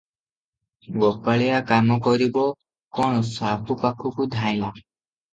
ଗୋପାଳିଆ କାମ କରିବ କଣ ସାହୁ ପାଖକୁ ଧାଇଁଲା ।